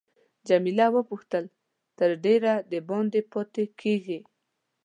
جميله وپوښتل تر ډېره دباندې پاتې کیږې.